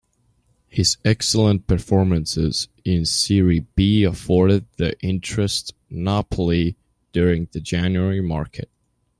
His excellent performances in Serie B afforded the interest Napoli during the January market.